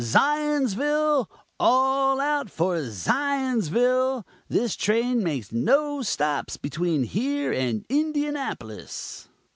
ZIONS ville! All out for Zionsville! This train makes no stops between here and Indianapolis!"